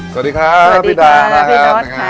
สวัสดีครับพี่ดาสวัสดีครับพี่รถ